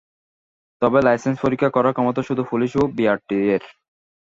তবে লাইসেন্স পরীক্ষা করার ক্ষমতা শুধু পুলিশ ও বিআরটিএর।